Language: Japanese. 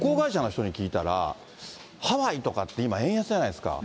聞いたら、ハワイとかって今、円安じゃないですか。